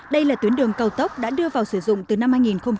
đây là tuyến đường cao tốc đã đưa vào sử dụng từ năm hai nghìn một mươi